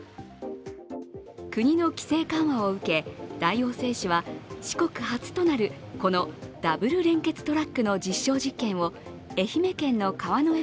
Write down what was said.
国の規制緩和を受け大王製紙は四国初となるこのダブル連結トラックの実証実験を愛媛県の川之江